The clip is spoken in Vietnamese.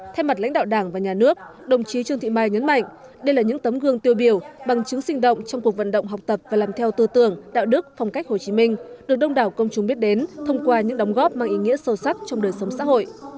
thay mặt lãnh đạo đảng và nhà nước đồng chí trương thị mai nhấn mạnh đây là những tấm gương tiêu biểu bằng chứng sinh động trong cuộc vận động học tập và làm theo tư tưởng đạo đức phong cách hồ chí minh được đông đảo công chúng biết đến thông qua những đóng góp mang ý nghĩa sâu sắc trong đời sống xã hội